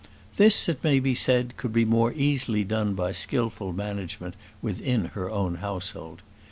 This, it may be said, could be more easily done by skilful management within her own household.